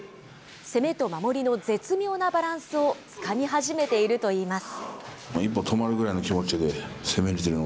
攻めと守りの絶妙なバランスをつかみ始めているといいます。